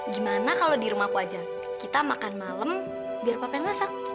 gimana kalau di rumahku aja kita makan malem biar papen masak